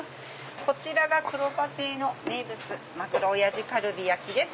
こちらがくろば亭の名物「まぐろ親父カルビ焼き」です。